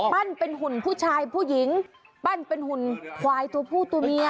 ปั้นเป็นหุ่นผู้ชายผู้หญิงปั้นเป็นหุ่นควายตัวผู้ตัวเมีย